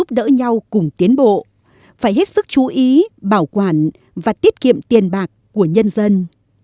đỡ nhau cùng tiến bộ phải hết sức chú ý bảo quản và tiết kiệm tiền bạc của nhân dân